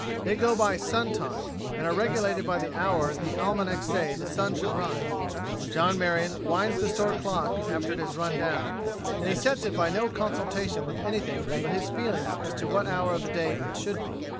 They go by "sun time" and are regulated by the hour the almanacs say the sun should rise. John Marion winds the store clock after it has run down and he sets it by no consultation with anything but his feeling as to what hour of the day it should be.